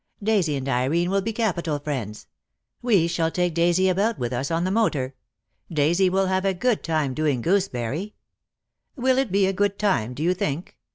Daisy and Irene will be capital friends. We shall take Daisy about with us on the motor. Daisy will have a good time doing gooseberry." ■; "Will it be quite a good time, do you think?